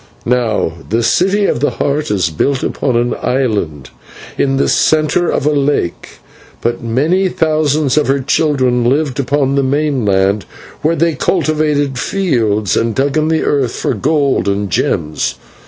"Now the City of the Heart is built upon an island in the centre of a lake, but many thousands of her children lived upon the mainland, where they cultivated fields and dug in the earth for gold and gems.